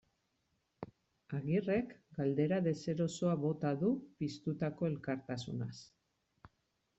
Agirrek galdera deserosoa bota du piztutako elkartasunaz.